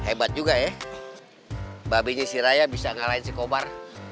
hebat juga ya babenya si raya bisa ngalahin si kobar